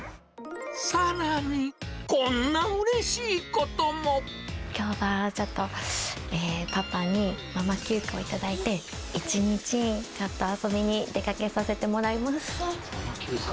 さらに、こんなうれしいこときょうはちょっと、パパにママ休暇を頂いて、１日、ちょっと遊びに出かけさせてもらママ休暇？